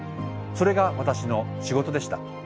それが私の仕事でした。